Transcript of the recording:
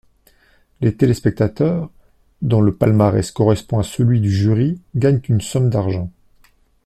Les téléspectateurs dont le palmarès correspond à celui du jury gagnent une somme d'argent.